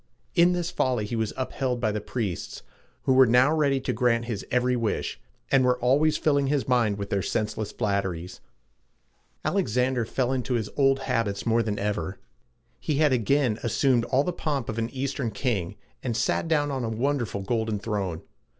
In this folly he was upheld by the priests, who were now ready to grant his every wish, and were always filling his mind with their senseless flatteries. Alexander then fell into his old habits more than ever. He had again assumed all the pomp of an Eastern king, and sat on a wonderful golden throne.